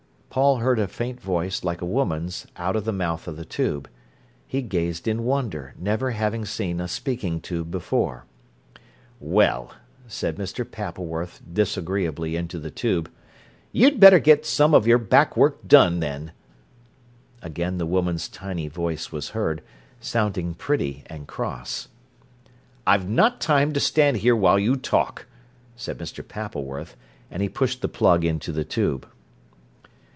Paul heard a faint voice, like a woman's, out of the mouth of the tube. He gazed in wonder, never having seen a speaking tube before. "Well," said Mr. Pappleworth disagreeably into the tube, "you'd better get some of your back work done, then." Again the woman's tiny voice was heard, sounding pretty and cross. "I've not time to stand here while you talk," said Mr. Pappleworth, and he pushed the plug into the tube.